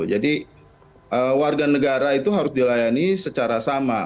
jadi warga negara itu harus dilayani secara sama